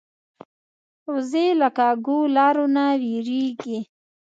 وزې له کږو لارو نه وېرېږي